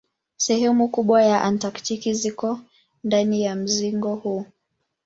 Sehemu kubwa ya Antaktiki ziko ndani ya mzingo huu.